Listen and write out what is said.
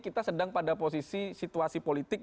kita sedang pada posisi situasi politik